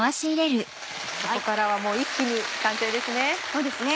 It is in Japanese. ここからはもう一気に完成ですね。